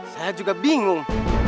saya juga bingung